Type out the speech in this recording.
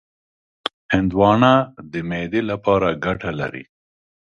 هندوانه د معدې لپاره ګټه لري.